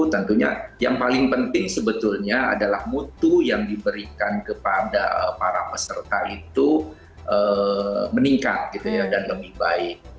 tentunya yang paling penting sebetulnya adalah mutu yang diberikan kepada para peserta itu meningkat dan lebih baik